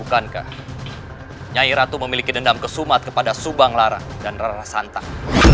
bukankah nyai ratu memiliki dendam kesumat kepada subang lara dan rara santa